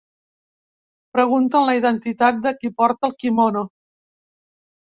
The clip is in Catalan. Pregunten la identitat de qui porta el quimono.